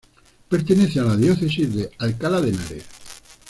Pertenece a la diócesis de Alcalá de Henares.